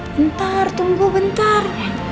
bentar tunggu bentar